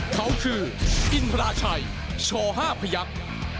เขาคืออินทราชัยช๕พยักษ์